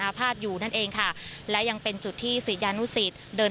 ภาษณ์อยู่นั่นเองค่ะและยังเป็นจุดที่ศิษยานุสิตเดิน